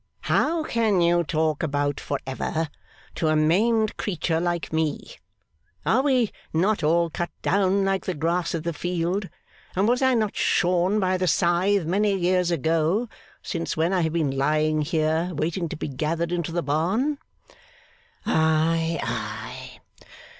'How can you talk about "for ever" to a maimed creature like me? Are we not all cut down like the grass of the field, and was not I shorn by the scythe many years ago: since when I have been lying here, waiting to be gathered into the barn?' 'Ay, ay!